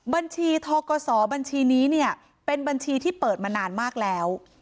บัญชีทกศบัญชีนี้เนี่ยเป็นบัญชีที่เปิดมานานมากแล้ว